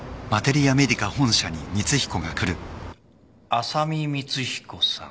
浅見光彦さん。